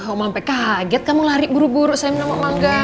oma sampe kaget kamu lari buru buru salim sama oma angga